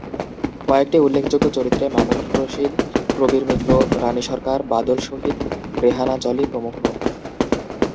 কয়েকটি উল্লেখযোগ্য চরিত্রে মামুনুর রশীদ, প্রবীর মিত্র, রানী সরকার, বাদল শহীদ, রেহানা জলি প্রমুখ।